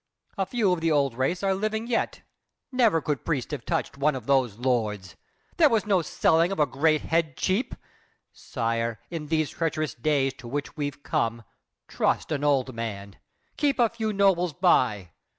A few of the old race are living yet. Never could priest have touched one of those lords. There was no selling of a great head cheap! Sire, in these treacherous days to which we've come, Trust an old man, keep a few nobles by.